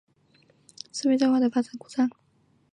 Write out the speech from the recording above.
月尘可能进入月球车内部并对其设备造成破坏引发故障。